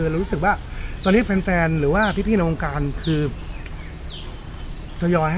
เรารู้สึกว่าตอนนี้แฟนหรือว่าพี่ในวงการคือทยอยให้